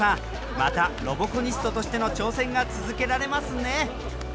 またロボコニストとしての挑戦が続けられますね！